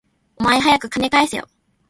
お前、はやく金返せよ